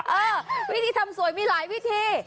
เออวิธีทำสวยมีหลายวิธี